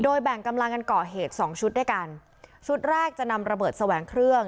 แบ่งกำลังกันก่อเหตุสองชุดด้วยกันชุดแรกจะนำระเบิดแสวงเครื่อง